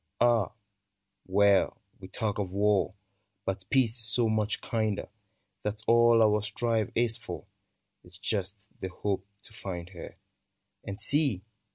Ah, well ! we talk of war, But peace is so much kinder, That all our strife is for Is just the hope to find her : And see